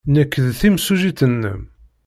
Nekk d timsujjit-nnem.